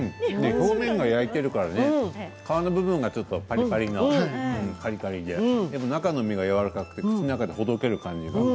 表面が焼いているから皮の部分がカリカリででも中の身がやわらかくて口の中でほどける感じが。